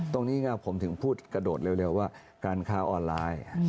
ตรงนี้ผมถึงพูดกระโดดเร็วว่าการค้าออนไลน์